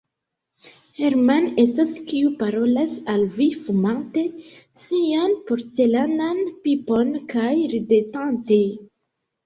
Hermann estas, kiu parolas al vi fumante sian porcelanan pipon kaj ridetante.